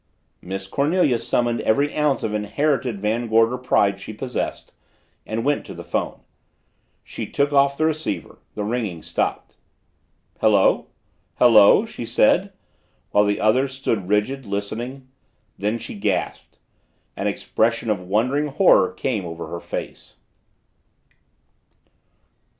Miss Cornelia summoned every ounce of inherited Van Gorder pride she possessed and went to the phone. She took off the receiver. The ringing stopped. "Hello hello " she said, while the others stood rigid, listening. Then she gasped. An expression of wondering horror came over her face.